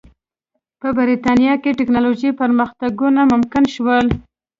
په برېټانیا کې ټکنالوژیکي پرمختګونه ممکن شول.